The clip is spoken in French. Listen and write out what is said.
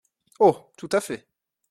Oh ! tout à fait !